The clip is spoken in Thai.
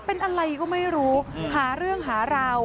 เป็นอะไรก็ไม่รู้หาเรื่องหาราว